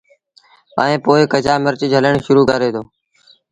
ائيٚݩ پو ڪچآ مرچ جھلڻ شرو ڪري دو